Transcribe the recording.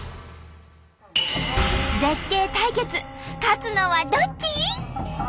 絶景対決勝つのはどっち！？